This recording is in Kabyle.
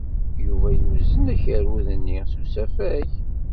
Yuba yuzen akerrud-nni s usafag.